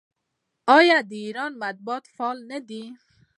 آیا د ایران مطبوعات فعال نه دي؟